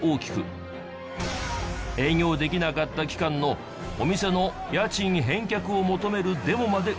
特に営業できなかった期間のお店の家賃返却を求めるデモまで起きた。